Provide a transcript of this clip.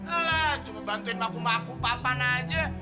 alah cuma bantuin maku maku papan aja